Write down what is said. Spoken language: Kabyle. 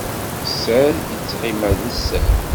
Sser yettqima d sser.